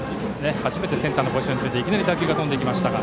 初めてセンターのポジションに入っていきなり打球が飛んできましたが。